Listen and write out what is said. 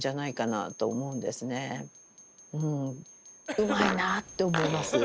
うまいなって思います。